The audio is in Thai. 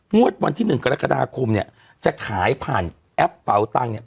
วันที่๑กรกฎาคมเนี่ยจะขายผ่านแอปเป๋าตังค์เนี่ย